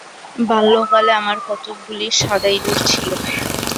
বাল্যকালে আমার কতকগুলি সাদা ইঁদুর ছিল।